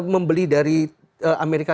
membeli dari amerika